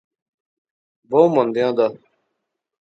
بہوں مندیاں دا